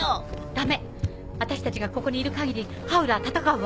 ダメ私たちがここにいる限りハウルは戦うわ。